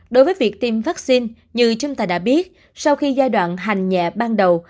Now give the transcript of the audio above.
đối với việc tiêm vaccine như chúng ta đã biết sau khi giai đoạn hành nhẹ ban đầu